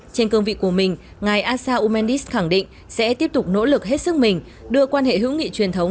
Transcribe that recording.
trên cương vị của mình ngài asa umanis khẳng định sẽ tiếp tục nỗ lực hết sức mình đưa quan hệ hữu nghị truyền thống